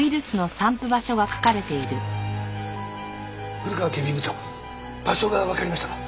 古河警備部長場所がわかりました。